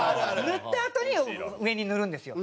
塗ったあとに上に塗るんですよ。